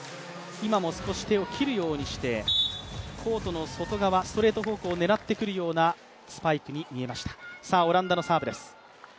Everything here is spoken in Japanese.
今も少し手を切るようにしてコートの外側、ストレート方向を狙ってくるようなスパイクに見えました。